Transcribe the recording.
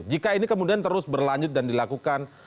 jika ini kemudian terus berlanjut dan dilakukan